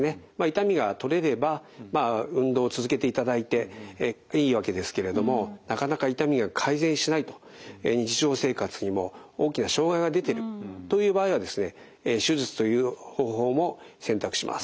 痛みが取れれば運動を続けていただいていいわけですけれどもなかなか痛みが改善しないと日常生活にも大きな障害が出ているという場合はですね手術という方法も選択します。